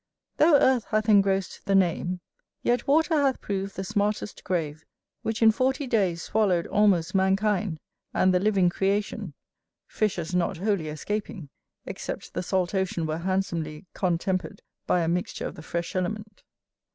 Though earth hath engrossed the name, yet water hath proved the smartest grave; which in forty days swallowed almost mankind, and the living creation; fishes not wholly escaping, except the salt ocean were handsomely contempered by a mixture of the fresh element.